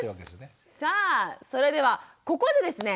さあそれではここでですね